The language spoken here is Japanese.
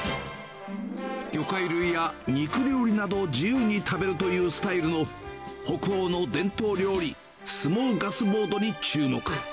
魚介類や肉料理などを自由に食べるというスタイルの北欧の伝統料理、スモーガスボードに注目。